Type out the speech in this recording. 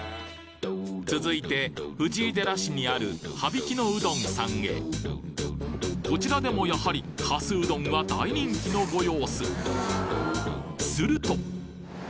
続いて藤井寺市にあるこちらでもやはりかすうどんは大人気のご様子すると！